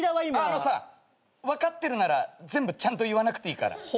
あのさ分かってるなら全部ちゃんと言わなくていいから。